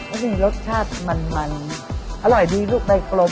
อันนี้รสชาติมันอร่อยดีลูกได้กลม